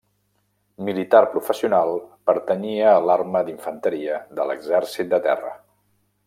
Militar professional, pertanyia a l'arma d'infanteria de l'Exèrcit de Terra.